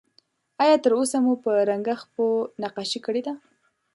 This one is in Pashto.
آیا تر اوسه مو په رنګه خپو نقاشي کړې ده؟